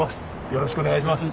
よろしくお願いします。